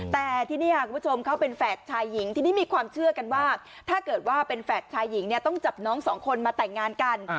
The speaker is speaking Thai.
แต่ที่นี่คุณผู้ชมเขาเป็นแฝดชายหญิงทีนี้มีความเชื่อกันว่าถ้าเกิดว่าเป็นแฝดชายหญิงเนี่ยต้องจับน้องสองคนมาแต่งงานกัน